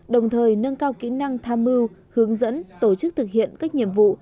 đồng thời nâng cao kỹ năng tham mưu hướng dẫn tổ chức thực hiện các nhiệm vụ